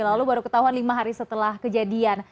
lalu baru ketahuan lima hari setelah kejadian